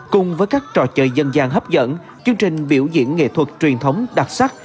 cùng với các trò chơi dân gian hấp dẫn chương trình biểu diễn nghệ thuật truyền thống đặc sắc